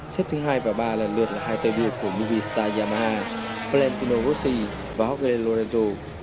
xếp thứ hai và ba lần lượt là hai tay đua của movistar yamaha valentino rossi và hockey lorenzo